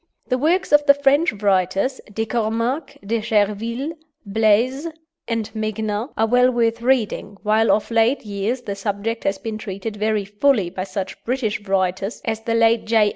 The works of the French writers, De Cominck, De Cherville, Blaze, and Megnin, are well worth reading, while of late years the subject has been treated very fully by such British writers as the late J.